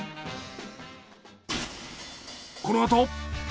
このあと。